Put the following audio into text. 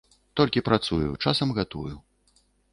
Толькі працую, часам гатую.